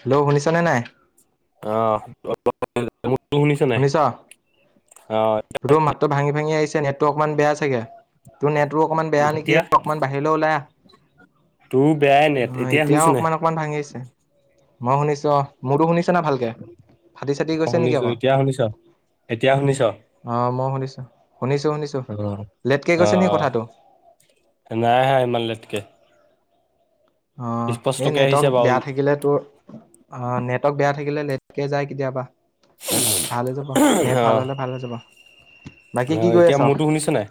Hello, শুনিছানে নাই? অ', [unintelligible] মোৰটো শুনিছ নাই? অ' [unintelligible] মাতটো ভাঙি -ভাঙি আহিছে নেটটো অকমান বেয়া চাগে? তোৰ নেটৱৰ্ক অকমান বেয়া নেকি? এতিয়া অকণমান বাহিৰলে ওলাই আহ। তোৰ বেয়াই নেট, উম, এতিয়া এতিয়াও শুনিছ নাই? অকমান- অকমান ভাঙিছে। মই শুনিছোঁ অ', মোৰতো শুনিছ? শুনা ভালকে, ফাটি -চাটি অ', গৈছে নেকি শুনিছো, আকৌ? এতিয়া শুনিছ? এতিয়া শুনিছ? অ', মই শুনিছোঁ -শুনিছোঁ -শুনিছোঁ অ', লেটকে গৈছে নিকি অ', কথাটো? নাই আহা ইমান লেটকে। অ', এই স্পষ্টকে আহিছে নেটৱৰ্ক বাৰু, বেয়া থাকিলে তোৰ অ', নেটৱৰ্ক বেয়া থাকিলে লেটকে যায় কেতিয়াবা। ভাল হৈ যাব, নেট অ', ভাল হ'লে ভাল হৈ যাব। বাকী কি অ', এতিয়া মোৰতো শুনিছ নাই?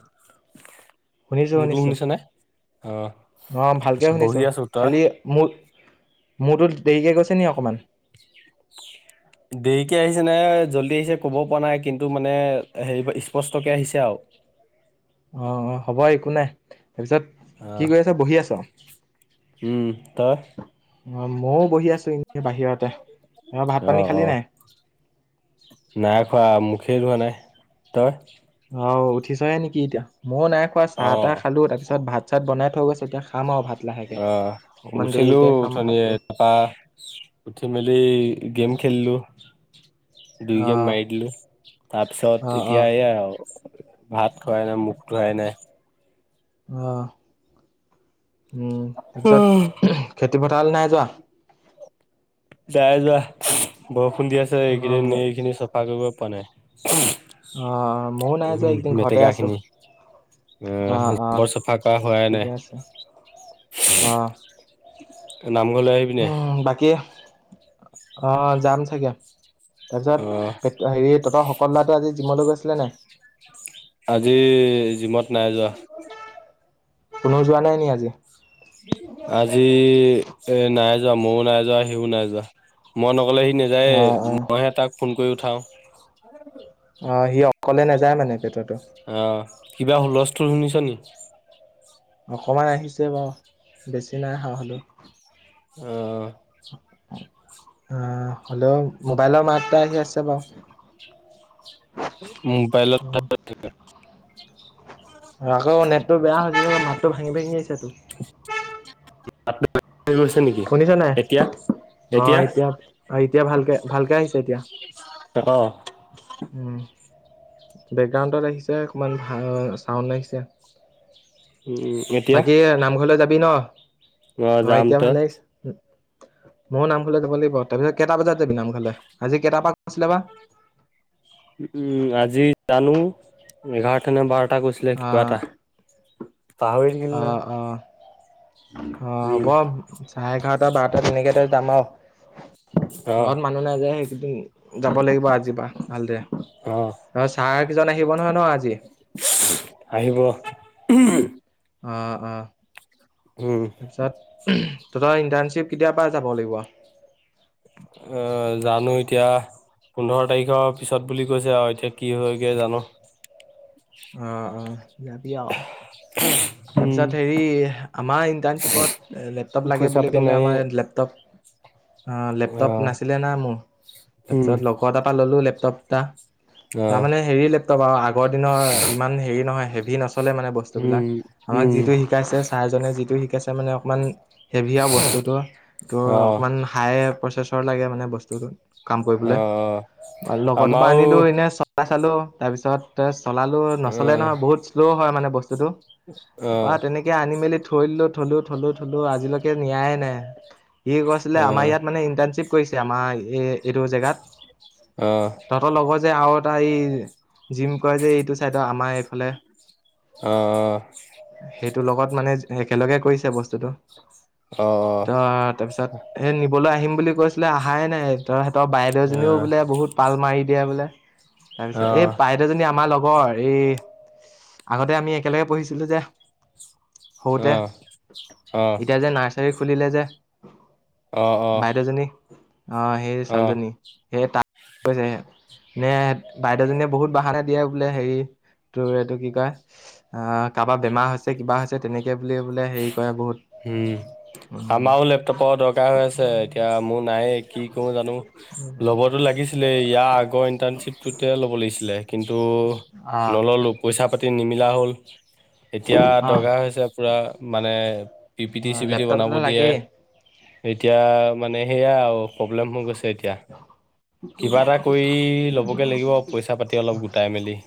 শুনিছোঁ, মোৰতো শুনিছোঁ। শুনিছ নাই? অ', অ, ভালকে বহি শুনিছোঁ। আছো, তই? খালী মোৰ মোৰটোত দেৰিকে গৈছে নি অকমান? দেৰিকে আহিছে নে জল্দি আহিছে ক'ব পৰা নাই, কিন্তু মানে হেই স্পষ্টকে আহিছে আওঁ। অ, অ হ'ব একো নাই। তাৰপিছত কি অ', কৰি আছ? বহি আছ? উম, তই? অ' মও বহি আছোঁ এনে বাহিৰতে। অ, ভাত-পানী খালি নাই? নাই খোৱা, মুখেই ধোৱা নাই। তই? হাও উঠিছহে নেকি এতিয়া? মও নাই খোৱা চাহ-তাহ অ', খালোঁ। তাৰপিছত ভাত চাত বনাই থৈ গৈছে এতিয়া খাম আও ভাত। লাহেকে অ', অকমান উঠিলো দেৰিকে খাম উঠনীয়ে। ভাতটো পা উঠি মেলি গেম খেলিলোঁ। দুই অ গেম মাৰি দিলো। অ তাৰপিছত অ এতিয়া এইয়া আৰু ভাত খোৱাই নাই, মুখ ধোৱাই নাই। অহ, উম তাৰপিছত খেতি পথাৰলে নাই যোৱা? নাই যোৱা। বৰষুণ দি আছে অ ম এইকেইদিন এইখিনি চফা কৰিব পৰা নাই। অ', মও নাই যোৱা উম এইকেইদিন ঘৰতে মেটেকা আছোঁ। খিনি অ, বৰ চাফা অ, কৰা হোৱাই নাই ঠিকে আছে, অ। নামঘৰলে আহি উম, বাকী অ, যাম চাগে। তাৰপিছত অ ত, হেৰি ততৰ শকত ল'ৰাটো আজি জিমলৈ গৈছিলে নাই? আজি জিমত নাই যোৱা। কোনো যোৱা নাই নি আজি? আজি এ নাই যোৱা। মও নাই যোৱা, সিও নাই যোৱা। মই নগ'লে সি নাযায়ে। অঁ অঁ মইহে তাক ফোন কৰি উঠাওঁ। [unintelligible] অ, সি অকলে নাযায় মানে পেটুৱাটো। অ, কিবা হুলস্থূল শুনিছ নি? অকমান আহিছে বাও, বেছি নাই আহা হলেওঁ। অ। অ', হ'লেওঁ মোবাইলৰ মাত এটা আহি আছে বাও। [inaudible] মোবাইলত অঁ [unintelligible] আকৌ নেটটো বেয়া হৈ [unintelligible] মাতটো ভাঙি-ভাঙি আহিছে তো। [unintelligible] গৈছে নেকি? শুনিছ এতিয়া? এতিয়া? অ এতিয়া ভালকে ভালকে আহিছে এতিয়া। [unintelligible] অ। উম, বেকগ্ৰাউণ্ডত আহিছে অকমান [unintelligible] চাউণ্ড আহিছে। উম, উম। বাকী নামঘৰলে যাবি ন? অ, যাম এতিয়া তই ভালে আহিছে। মও নামঘলে যাব লাগিব। তাৰপিছত কেটা বজাত যাবি নামঘলে? আজি কেটাৰ পা আছিলে বা? উম, আজি জানো এঘাৰটা নে বাৰটা কৈছিলে অ কিবা এটা। পাহৰি থাকিলো অ ন। অ অ হ'ব, চাৰে এঘাৰটা, বাৰটা তেনেকেতে যাম আও। ঘৰত অ মান টো মানুহ নাযায় এইকিদিন। যাব লাগিব আজি পা ভালদে। অ। অ', ছাৰ কেইজন আহিব নহয় ন আজি? আহিব। অ', অ'। উম। তাৰপিছত তহঁতৰ ইণ্টাৰ্ণশ্বিপ কেতিয়াৰ পৰা যাব লাগিব? অ', জানোঁ এতিয়া পোন্ধৰ তাৰিখৰ পিছত বুলি কৈছে আৰু এতিয়া কি হয়গৈ জানোঁ? অ', অ', যাবি আৰু। উম তাৰপিছত হেৰি আমাৰ ইণ্টাৰ্ণশ্বিপত লেপটপ লাগে পইচা বুলি পাতি ক'লে নাই আমাৰ লেপটপ অ লেপটপ নাছিলে না মোৰ, উম তাৰপিছত লগৰ এটাৰ পৰা ল'লোঁ লেপটপ এটা। অ তাৰ মানে হেৰি লেপটপ আৰু আগৰ দিনৰ ইমান হেৰি নহয় হেভি নচলে মানে বস্তু বস্তু উম বিলাক। আমাক উম যিটো শিকাইছে ছাৰজনে যিটো শিকাইছে মানে অকমান হেভিয় আৰু বস্তুটো। টোৰ অ অকমান হাই প্ৰচেছৰ লাগে মানে বস্তুটো কাম অ কৰিবলে, লগটোপা আমাৰো আনিলোঁ এনে চলাই চালোঁ। তাৰপিছত চলালোঁ অ নচলে নহয় বহুত শ্ল' হয় মানে বস্তু বস্তুটো অ তাপা তেনেকে আনি মেলি থৈদিলোঁ, থলোঁ-থলোঁ-থলোঁ আজিলৈকে নিয়াই নাই। সি কৈছিলে আমাৰ ইয়াত মানে ইণ্টাৰ্ণশ্বিপ কৰিছে আমাৰ এই এইটো জেগাত। ত তহঁতৰ লগৰ যে আৰু এটা এই জিম কয় যে এইটো চাইদৰ আমাৰ এইফালে। সেইটো লগত মানে একেলগে কৰিছে বস্তুতটো। ত তাৰপিছত এ নিবলৈ আহিম বুলি কৈছিলে অহাই নাই তহঁতৰ বাইদেউজনীও বোলে বহুত পাল মাৰি দিয়ে বোলে, তাৰপিছত এই বাইদেউজনী আমাৰ লগৰ। এই আগতে আমি একেলগে পঢ়িছিলোঁ যে? সৰুতে, এতিয়া যে নাই সেই খুলিলে যে, বাইদেউজনী? অ' সেই ছোৱালীজনী। সেই কৈছে। নে বাইদেউজনীয়ে বহুত বাহানা দিয়ে বোলে হেৰি তোৰ এইটো কি কয়? অ', কাবাৰ বেমাৰ হৈছে কিবা হৈছে তেনেকৈ বুলি বোলে হেৰি কৰে বহুত, উম। প দৰকাৰ হৈ আছে এতিয়া মোৰ নাইয়ে কি কৰোঁ জানোঁ, ল'বতো লাগিছে আছিলে ইয়াৰ আগৰ ইণ্টাৰ্ণশ্বিপটোতে ল'ব লাগিছিলে কিন্তু আহ নললোঁ। পইচা পাতি নিমিলা হ'ল। এতিয়া আহ দৰকাৰ হৈছে পূৰা মানে পিপিটি চিপিটি লেপটপ বনাব এটা দিয়ে। লাগেই এতিয়া মানে সেয়া আৰু প্ৰব্লেম হৈ গৈছে এতিয়া। কিবা এটা কৰি ল'বগৈ লাগিব পইচা পাতি অলপ গোটাই মেলি।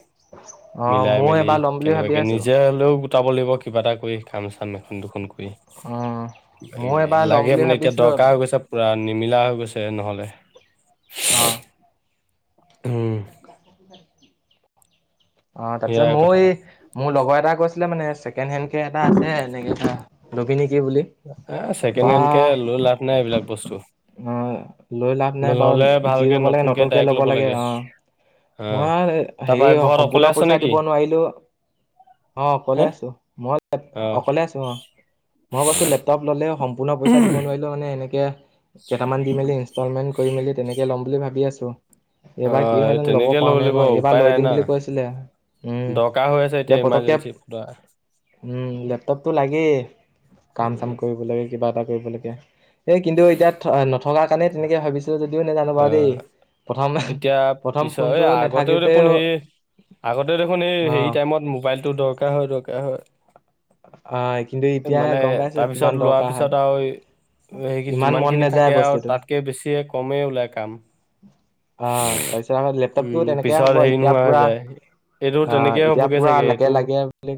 অ মিলাই ময়ো মেলি এবাৰ ল'ম বুলি ভাবি কেনেবাকে আছো নিজে হলেও গোটাব লাগিব কিবা এটা কৰি কাম চাম এখন দুখন কৰি উম কিবা ময়ো কিবি এবাৰ ল'ম লাগে বুলি মানে এতিয়া ভাবিছিলো দৰকাৰ হৈ গৈছে পূৰা নিমিলা হৈ গৈছে নহ'লে। অ'। উম। হয়। অ', তাৰপিছত সেয়াই মও কথা এই মোৰ লগৰ এটা কৈছিলে মানে ছেকেণ্ড হেণ্ড কে এটা আছে নেকি এটা লবি নেকি বুলি। এ ছেকেণ্ড হেণ্ড কে তাৰপা লৈ লাভ নাই এইবিলাক বস্তু। অ', লৈ লাভ নাই বাৰু যি ল'ব লাগে নতুনকে ল'ব লাগে অ'। অ মই তাৰপৰা হেৰি ঘৰত অকলে সম্পূৰ্ণ আছ পইচা নেকি দিব নোৱাৰিলেও অকলে হে আছোঁ, মই অ অকলে আছোঁ অ'। মই কৈছোঁ লেপটপ ললে সম্পূৰ্ণ পইচা দিব নোৱাৰিলেও মানে এনেকে কেইটামান দি মেলি ইনষ্টলমেণ্ট কৰি মেলি তেনেকৈ ল'ম বুলি ভাবি আছোঁ। অ এইবাৰ কি হয় জানোঁ ল'ব তেনেকে পাৰোঁ নে লাগিব নোৱাৰোঁ? এইবাৰ উপায় লৈ নাই দিম না বুলি কৈছিলে, উম। এ পতককে বা উম, লেপটপটো লাগেই কাম উম চাম কৰিব লৈ কিবা এটা কৰিব লৈকে। এই কিন্তু এতিয়া নথকাৰ কাৰণে তেনেকে ভাবিছিলোঁ যদিও নাজানোঁ বাৰু অ দেই। প্ৰথমে এতিয়া প্ৰথম পিছত এই ফোনটো আগতেও দেখোন নাথাকোতেও সেই আগতে দেখোন এই অ হেৰি টাইমত মোবাইলটো দৰকাৰ হয়-দৰকাৰ হয়। অ কিন্তু এতিয়া মানে গম পাইছো তাৰপিছত কিমান লোৱাৰ দৰকাৰ হয় পিছত আৰু সে ইমান মন যিমানখিনি নাযায় থাকে আৰু বস্তুটো তাতকে বেছিয়ে কমেই ওলায় কাম। অ', তাৰপিছত আকৌ লেপটপটো উম তেনেকে পিছত হ'ব হেৰি এতিয়া নোহোৱা হৈ পুৰা যায় এইটো অ', তেনেকেই এতিয়া হ'বগে পুৰা চাগে এইটো লাগে-লাগে বুলি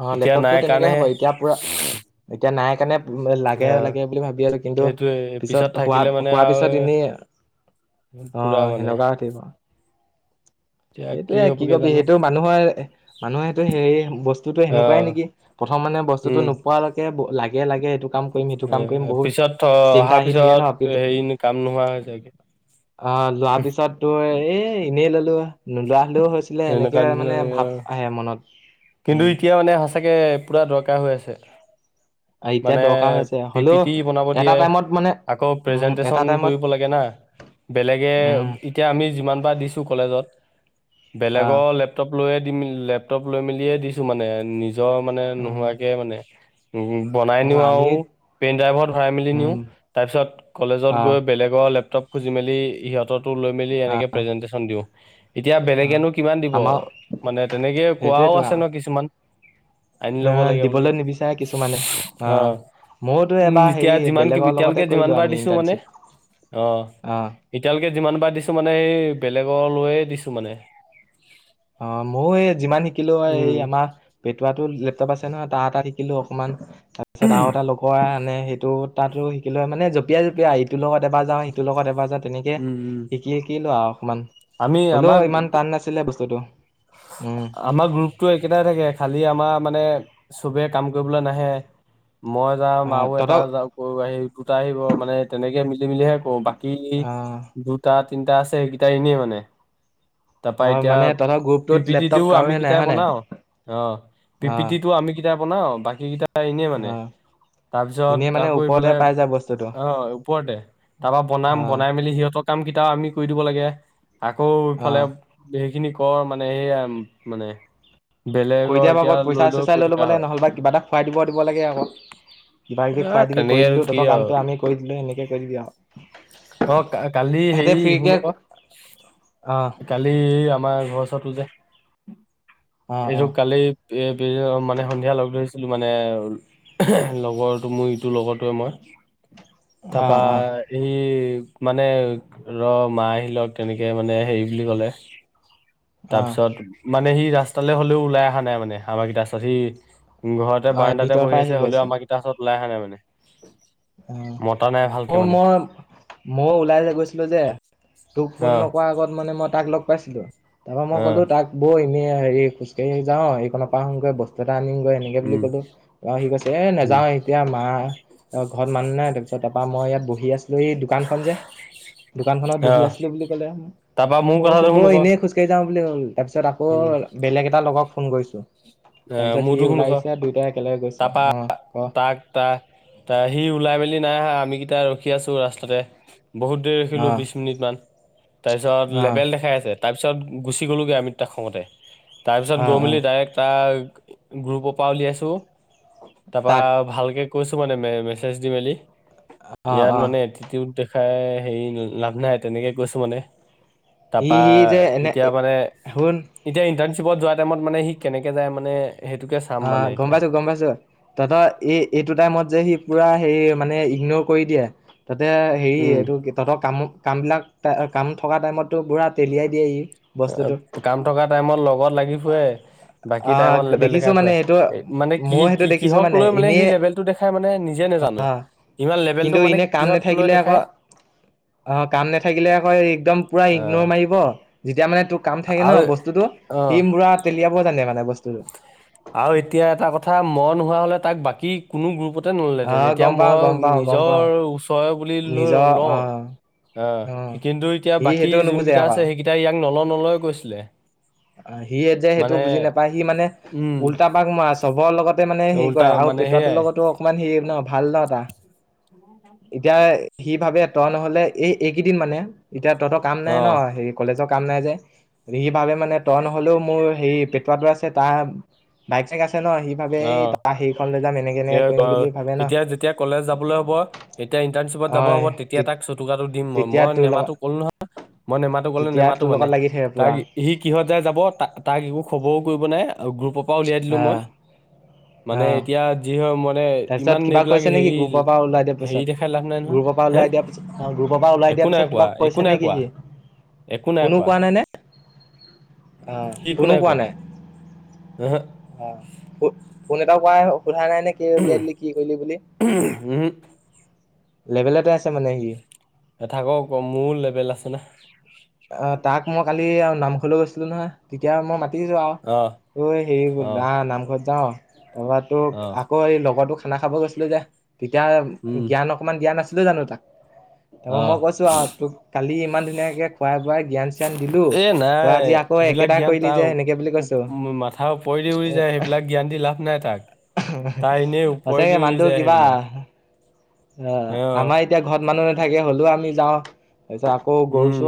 অ', এতিয়া নাই লেপটপতো তেনেকে হ'ব কাৰণেহে এতিয়া পুৰা এতিয়া নাই কাৰণে অ লাগে-লাগে বুলি ভাবি আৰু কিন্তু সেইটোৱে পিছত হোৱা থাকিলে মানে হোৱাৰ আৰু পিছত এনেই পুৰা অ', মানে সেনেকুৱা উঠিব। এতিয়া সেইটোয়ে কি হ'বগে কবি, জানো সেইটো মানুহৰ মানুহেটো সে বস্তুতটো অ সেকুৱাই নেকি? প্ৰথম মানে বস্তুতটো উম নো নোপোৱালেকে লাগে-লাগে এইটো কাম কৰিম সেইটো কাম উ কৰিম বহুত পিছত থ চিন্তা অহাৰ আহি থাকে ন পিছত হেৰি কাম নোহোৱা হৈ যাই গে। অ', লোৱাৰ পিছত তোৰ এ এনেই ললোঁ নোলোৱা হলেও হৈছিলে। আছিলে এনেকুৱা এনেকে নিচিনা মানে লাগে অ ভাৱ আহে মনত, উম। চাগে পূৰা দৰকাৰ হৈ আছে। এতিয়া মানে দৰকাৰ হৈছে পি পি হ'লেও টি বনাব এটা দিয়ে, টাইমত মানে আকৌ উম এটা প্ৰেজেনটেশচন টাইমত কৰিব লাগে না? বেলেগে উম এতিয়া আমি যিমান বাৰ দিছোঁ কলেজত। আহ বেলেগৰ লেপটপ লৈয়ে দি লেপটপ লৈ মেলিয়ে দিছোঁ মানে নিজ জ্বৰ মানে উম নোহোৱাকে মানে। উম, বনাই অ নিওঁ আমি আৰু পেইন ড্ৰাইভত ভৰাই মেলি নিওঁ। উম তাৰপিছত কলেজত আহ গৈ বেলেগৰ লেপটপ খুজি মেলি হিহঁতৰটো লৈ মেলি এনেকে প্ৰেজেন্টেচন দিওঁ। এতিয়া আহ এতিয়ানো কিমান দিব, আমাৰ মানে তেনেকে কোৱাও সেইটোৱেতো আছে ন কিছুমান। আনি লব আহ লাগে বুলি দিবলৈ নিবিচাৰে কিছুমানে আহ অ'। ময়োতো উম, এবাৰ হেৰি এতিয়া যিমান কিবি বেলেগৰ লগতে এতিয়ালৈকে যিমান কৰিলো বাৰ আমি দিছোঁ মানে, ইণ্টাৰ্ণশ্বিপ অ'। এতিয়ালৈকে যিমান বাৰ দিছোঁ মানে এই বেলেগ লৈয়ে দিছোঁ মানে। অ', ময়ো এই যিমান শিকিলোঁ অ, এই উম আমাৰ পেটোৱাতো লেপটপ আছে নহয়, তাৰ তাত শিকিলোঁ অকমান। তাৰপিছত আৰু এটা লগ কৰা আনে সেইটো তাতো শিকিলোঁ। মানে জপিয়াই-জপিয়াই ইটোৰ লগত এবাৰ যাওঁ সিটোৰ লগত এবাৰ যাওঁ। তেনেকে উম উম শিকি-শিকিলোঁ আৰু অকণমান। আমি হলেও আমাক ইমান টান নাছিলে বস্তুটো। উম। আমাৰ গ্ৰুপটো একেটাই থাকে খালি আমাৰ মানে চবে কাম কৰিবলৈ নাহে। মই যাওঁ আহ আমাৰো এটা তহঁতৰ যা [unintelligible] আহি দুটা আহিব মানে তেনেকে মিলি-মেলি হে কৰোঁ। বাক কি আহ দুটা তিনটা আছে সেইকেইটা এনেই মানে। তাপা অ এতিয়া মানে তহঁতৰ গ্ৰুপটোত পিপিটিটো লেপটপ আমি কাৰোৱে নাই কিটাই হয় নাই বনাইও অ', অ পিপিতিটো আমি কেইটা বনাও, বাকী কেইটা এনেই মানে। অ তাৰপিছত এনেই মানে আকৌ ওপৰতে এইফালে পাই যায় বস্তুটো অ', ওপৰতে। তাৰপা অ বনাম, বনাই মেলি সিহঁতক কাম কেইটা আমি কৰি দিব লাগে, আকৌ অ এইফালে সেইখিনি কৰ মানে সেয়াই মানে। কৰি বেলেগৰ দিয়া এতিয়া বাবত পইচা চইচা গৈ লৈ ল'ব থকা লাগে হয় নহলে বা কিবা এটা খুৱাই দিব-দিব লাগে আক। কিবা কিবি এ খুৱাই দিবি তেনেকে কৰি আৰু দিলোঁ, কি তহতৰ আৰু কামটো আমি কৰি দিলোঁ এনেকে কৈ দিবি আৰু। অ', কালি সিহঁতে হেৰি ফ্ৰীকে শুন আক অ'। কালি আমাৰ ঘৰৰ ওৰতো যে? অ অ এইটো কালি এ মানে সন্ধিয়া লগ ধৰিছিলোঁ মানে লগৰটো মোৰ ইটো লগৰটোৱে মই। [unintelligible] তাৰাপা অ সি মানে ৰঃ মা আহিলওঁক। তেনেকে মানে হেৰি বুলি ক'লে। অ তাৰপিছত মানে সি ৰাস্তালৈ হ'লেও ওলাই অহা নাই মানে আমাকিতা ওচৰত সি ঘৰতে অ বাৰাণ্ডাতে ভিতৰৰ বহি পৰা আহি আছে গৈ হ'লেও আমাকিটা ওচৰত ওলাই অহা নাই মানে। উম, মতা নাই ভালকে অ, মানে মই ময়ো ওলাই যে গৈছিলোঁ যে? তোক ফোন অ নকৰা আগত মানে মই তাক লগ পাইছিলোঁ। তাৰ পৰা মই অ ক'লোঁ তাক বৈ এনেই হেৰি খোজকাঢ়ি যাওঁ এইপানৰ পৰা আহোঁগৈ বস্তু এটা আনিমগৈ। এনে বুলি উম কলোঁ অ', সি কৈছে এ উম নেযাওঁ এতিয়া মা অ', ঘৰত মানুহ নাই তাৰপিছত তাৰপা মই ইয়াত বহি আছিলোঁ এই দোকান খন যে দোকানখনত অ বহি আছিলোঁ বুলি ক'লে। তাৰপা মোৰ মই কথাটো কৈছোঁ শুন বই আকৌ এনেই খোজ কঢ় যাওঁ বুলি কলোঁ তাৰ পিছত আকৌ উম বেলেগ এটা লগক ফোন কৰিছোঁ। অ, তাৰপিছত সি মোৰটো শুন ওলাই আক আহিছে দুয়োটাই একেলগে গৈছোঁ তাৰপা অ ক তাক ত ত সি ওলাই মেলি নাই আহা আমি কেইটা ৰখি আছোঁ ৰাস্তাতে। বহুত ৰাখিলোঁ অ বিশ মিনিট মান। তাৰপিছত অ লেবেল দেখাই আছে। তাৰপিছত গুচি গ'লোগৈ আমি দুটা খঙতে। তাৰপিছত অ গৈ অ মেলি ডাইৰেক্ট তাক গ্ৰুপৰ পৰা উলিয়াইছোঁ। তাৰপৰা তাক ভালকৈ কৈছো মানে মেচেজ দি মেলি অ ইয়াত অ মানে এটিতিউদ খাই হেৰি লাভ নাই তেনেকৈ কৈছোঁ মানে। ই তাৰপা সি যে এনে এতিয়া মানে শুন এতিয়া ইণ্টাৰ্নশ্বিপত যোৱা টাইমত মানে সি কেনেকৈ যায় মানে সেইটোকে চাম মানে অ', গম এতিয়া পাইছোঁ-গম পাইছোঁ। [unintelligible] এই-এইটো টাইমত যে সি পুৰা হেৰি মানে ইগনৰ কৰি দিয়ে। তাতে হেৰি উম এইটো তহঁতক কাম কামবিলাক কাম থকা টাইমততো পুৰা তেলিয়াই দিয়ে ই। অ, বস্তুটো কাম থকা টাইমত লগত লাগি ফুৰে বাকী অ টাইমত লেবেল দেখিছো মানে এইটো মানে ময়ো সেইটো কি-কি দেখিছো কিহক লৈ মানে এনেই সি লেভেলটো দেখাই মানে নিজে নাজানোঁ। ইমান লেভেলটো কিন্তু মানে এনে কাম কিহত লৈ নাথাকিলে আকৌ দেখায়। অ', কাম নাথাকিলে আকৌ একদম পুৰা আহ ইগনৰ মাৰিব। যেতিয়া মানে তোৰ কাম থাকে ন আৰু বস্তুটো, অ সি পুৰা তেলিয়াব জানে মানে বস্তুটো। আৰু এতিয়া এটা কথা মই নোহোৱা হ'লে তাক বাকী কোনো গ্ৰুপতে অ নললেহঁতেন এতিয়া গম পাও মই গম পাও গম নিজৰ পাও ওচৰৰ বুলি লৈ নিজৰ লওঁ। অ অ', কিন্তু এতিয়া সি বাকী সেইটো নুবুজে যোনকেইটা আকৌ আছে সেইকেইটা ইয়াক নলওঁ-নলওঁ কৈছিলে। অ', সিয়ে [unintelligible] যে সেইটো মানে বুজি নাপায় সি মানে উম উল্টা পাক মৰা আছে। চবৰ লগতে মানে হেৰি উল্টা কৰে আৰু মানে পেটোৱাটোৰ সেইয়াই লগতো অকণমান হেৰি ন ভাল ন তাৰ? এতিয়া সি ভাবে তই নহলে এই এইকেইদিন মানে এতিয়া তহঁতৰ কাম নাই অ ন হেৰি কলেজৰ কাম নাই যে। সি ভাবে মানে তই নহ'লেও মোৰ হেৰি পেটোৱাটো আছে তাৰ বাইক ছাইক আছে ন সি ভাবে এই অ', তাৰ হেৰিখন লৈ যাম এনেকে সেই এনেকে কৰিম বুলি ভাবে ন। এতিয়া যেতিয়া কলেজ যাবলৈ হ'ব। এতিয়া ইণ্টাৰ্নশ্বিপত যাব হ'ব অ' তেতিয়া তাক চটুকাটো দিম তেতিয়া মই-মই তোৰ লগত নেমাতো ক'লোঁ নহয়। মই নেমাটো ক'লোঁ তেতিয়া নেমাটো তোৰ মানে লগত লাগি থাকে পুৰা। তাইক সি কিহত যায় যাব। ত তাক একো খবৰো কৰিব নাই আৰু গ্ৰুপৰ পৰা উলিয়াই দিলোঁ মই। অ' মানে অ'। এতিয়া যি হয় মানে তাৰপিছত ইমান কিবা এইবিলাক কৈছে নেকি গ্ৰুপৰ পৰা ওলাই দিয়াৰ পিছত? হেৰি-হেৰি দেখাই লাভ নাই নহয়। গ্ৰুপৰ পৰা হা? ওলাই দিয়াৰ অ', গ্ৰুপৰ পৰা ওলাই দিয়া পিছত কিবা কৈছে নেকি কোৱা সি, একো ফোনো কোৱা কৰা নাই নে? অ', সি একো ফুনো কৰা কোৱা নাই? উহু অ'। [unintelligible] সোধা নাই নে কিয় উলিয়াই দিলি কি কৰিলি বুলি? উহু লেভেলতে আছে মানে সি। থাকক আক, মুৰু লেভেল আছে না। অ, তাক মই কালি আৰু নামঘলৈ গৈছিলোঁ নহয়? তেতিয়া মই মাতি [unintelligible] আৰু। অ অই হেৰি বুলি অ আহ নামঘৰত যাওঁ আৰু। তাৰপা ত অ আকৌ এই লগৰতো খানা খাব গৈছিলোঁ যে? তেতিয়া উম জ্ঞান অকমান দিয়া নাছিলোঁ জানোঁ তাক? তাৰপা অ মই কৈছোঁ আৰু তোক কালি ইমান ধুনীয়াকে পোৱাই-পোৱাই জ্ঞান চিয়ান দিলোঁ, এ তই নাই আজি আকৌ সেইবিলাক একেটা জ্ঞান কৰিলি তাৰ যে উ সেনেকে বুলি কৈছোঁ। মাথাৰ ওপৰিদি উৰি যায় সেইবিলাক জ্ঞানি লাভ নাই তাক। তাৰ এনেই সচাকে ওপৰেদি উৰি মানুটো যায় কিবা সেইবিলাক অ, আমাৰ এতিয়া ঘৰত মানুহ নাথাকে হ'লেও আমি যাওঁ, তাৰপিছত আকৌ গৰু উম